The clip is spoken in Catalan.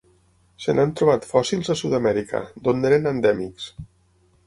Se n'han trobat fòssils a Sud-amèrica, d'on n'eren endèmics.